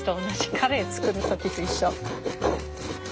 カレー作る時と一緒。